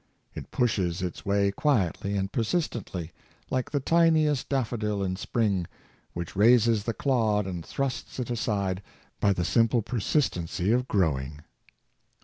It pushes its way quietly and persistently, like the tiniest daffodil in spring, which raises the clod and thrusts it aside by the simple persistency of growing.